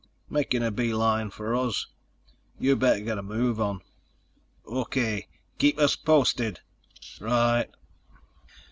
"Making a beeline for us. You better get a move on." "O.K. Keep us posted." "Right."